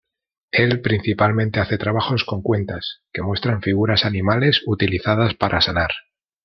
Él principalmente hace trabajos con cuentas, que muestran figuras animales utilizadas para sanar.